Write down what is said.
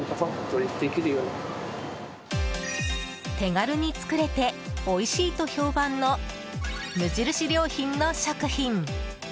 手軽に作れておいしいと評判の無印良品の食品。